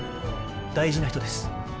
大事な人です。